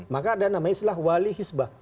maka ada yang namanya istilah wali hizbah